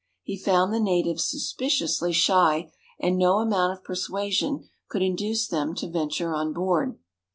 He found the natives suspiciously shy, and no amount of persuasion could induce them to venture on board.